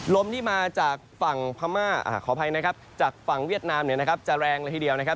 ลมที่มาจากฝั่งพม่าขออภัยนะครับจากฝั่งเวียดนามเนี่ยนะครับจะแรงเลยทีเดียวนะครับ